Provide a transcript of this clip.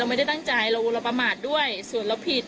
ไม่ได้ตั้งใจเราเราประมาทด้วยส่วนเราผิด